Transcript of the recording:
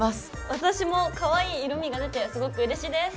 私もかわいい色みが出てすごくうれしいです！